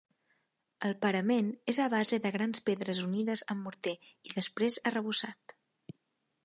El parament és a base de grans pedres unides amb morter i després arrebossat.